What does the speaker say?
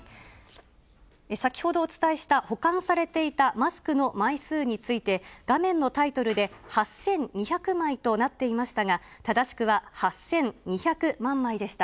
先ほどお伝えした保管されていたマスクの枚数について、画面のタイトルで、８２００枚となっていましたが、正しくは８２００万枚でした。